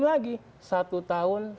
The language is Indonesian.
lagi satu tiga tahun